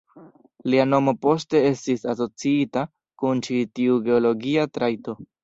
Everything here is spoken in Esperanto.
Lia nomo poste estis asociita kun ĉi tiu geologia trajto.